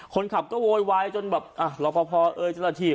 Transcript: คนขับก็โวยวายจนแบบอ่ะรอปภเอ่ยเจ้าหน้าที่